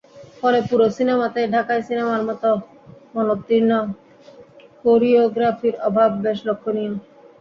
ফলে পুরো সিনেমাতেই ঢাকাই সিনেমার মতো মানোত্তীর্ণ কোরিওগ্রাফির অভাব বেশ লক্ষণীয়।